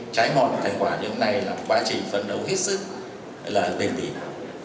trái ngọt thành quả như hôm nay là quá trình phấn đấu hết sức là bình tĩnh